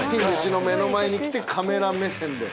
目の前に来てカメラ目線で。